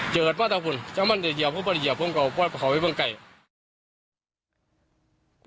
เจริญป่ะตัวคุณจากมันจะหยาบพ่อเบาะหยาบพ่อไปก่อนไกล